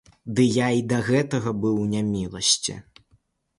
Ды я і да гэтага быў у няміласці.